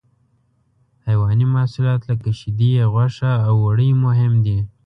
حیواني محصولات لکه شیدې، غوښه او وړۍ مهم دي.